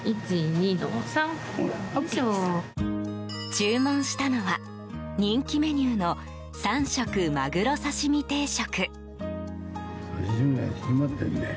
注文したのは人気メニューの３色マグロ刺身定食。